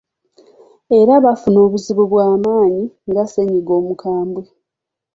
Era bafuna obuzibu bwa maanyi nga ssennyiga omukambwe.